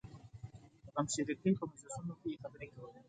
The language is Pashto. د غمشریکۍ په مجلسونو کې یې خبرې کولې.